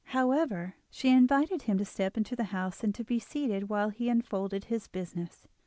However, she invited him to step into the house and be seated while he unfolded his business.